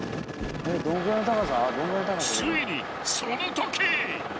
［ついにそのとき］